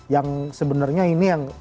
yang sebenarnya ini yang